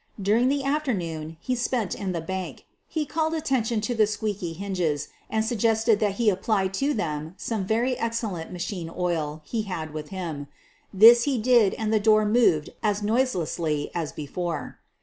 During the afternoon he spent in the bank he called attention to the squeaky hinges and sug gested that he apply to them some very excellent machine oil he had with him. This he did and the door moved as noiselessly as before.